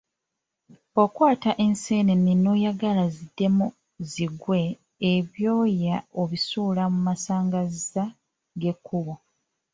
Bw’okwata eseenene n’oyagala ziddemu zigwe ebyoya obisuula mu masanganzira g’ekkubo.